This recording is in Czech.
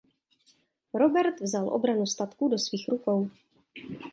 Robert vzal obranu statků do svých rukou.